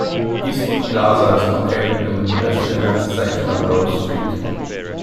Eastwood Plaza is located on the pedestrianised section of Rowe Street.